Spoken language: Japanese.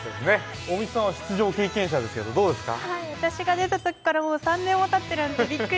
大道さんは出場経験者ですけどどうですか？